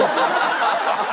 ハハハハ！